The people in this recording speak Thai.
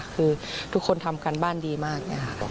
คือทุกคนทำการบ้านดีมาก